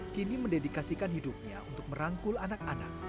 kini mendedikasikan hidupnya untuk merangkul anak anak